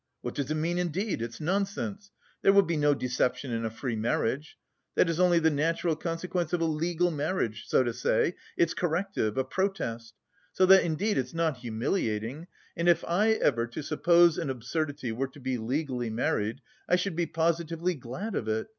What does it mean indeed? It's nonsense, there will be no deception in a free marriage! That is only the natural consequence of a legal marriage, so to say, its corrective, a protest. So that indeed it's not humiliating... and if I ever, to suppose an absurdity, were to be legally married, I should be positively glad of it.